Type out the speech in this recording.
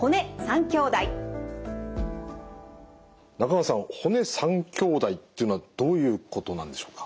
中川さん骨三兄弟っていうのはどういうことなんでしょうか？